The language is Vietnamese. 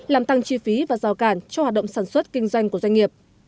làm tăng chi phí và rào cản cho hoạt động sản xuất kinh doanh của doanh nghiệp